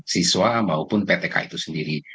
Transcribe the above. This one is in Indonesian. siswa maupun ptk itu sendiri